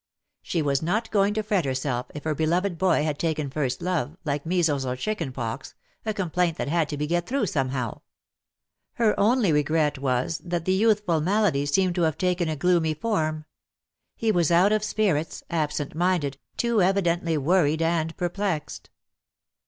She was not going to fret her self if her beloved boy had taken first love," like measles or chicken pox, a complaint that had to be got through somehow. Her only regret was that the youthful malady seemed to have taken a gloomy form; he was out of spirits, absent minded, too evidently worried and perplexed.